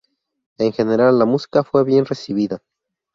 En general la música fue bien recibida.